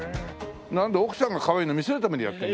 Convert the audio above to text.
なんだ奥さんがかわいいの見せるためにやってる。